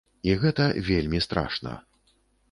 І гэта вельмі страшна.